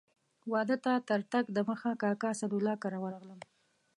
واده ته تر تګ دمخه کاکا اسدالله کره ورغلم.